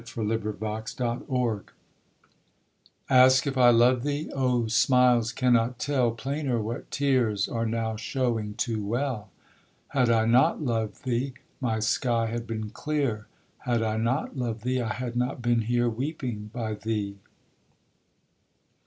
MARGARET TO DOLCINO Ask if I love thee? Oh, smiles cannot tell Plainer what tears are now showing too well. Had I not loved thee, my sky had been clear: Had I not loved thee, I had not been here, Weeping by thee.